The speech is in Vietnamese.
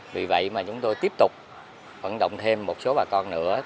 vì vậy mà chúng tôi tiếp tục vận động thêm một số bà con nữa